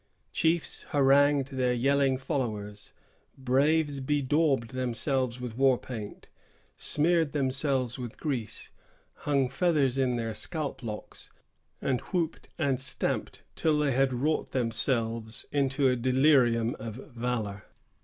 Chiefs harangued their yelling followers, braves bedaubed themselves with war paint, smeared themselves with grease, hung feathers in their scalp locks, and whooped and stamped till they had wrought themselves into a delirium of valor.